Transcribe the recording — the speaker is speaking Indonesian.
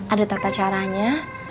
ada tata caranya